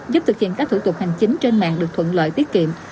giúp thực hiện các thủ tục hành chính trên mạng được thuận lợi tiết kiệm